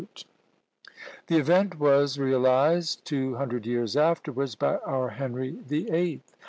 The event was realised, two hundred years afterwards, by our Henry the Eighth.